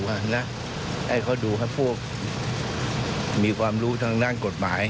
นะให้เขาดูให้พวกมีความรู้ทางด้านกฎหมาย